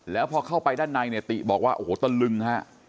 แล้วพอเข้าไปด้านในติบอกว่าโอ้โหตลึงครับ